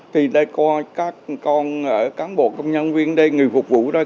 thì đây có các con cán bộ công nhân viên ở đây người phục vụ đây